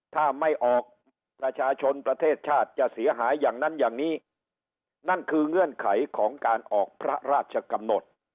ถ้าไม่ออกประชาชนประเทศชาติจะเสียหายอย่างนั้นอย่างนี้นั่นคือเงื่อนไขของการออกพระราชกำหนด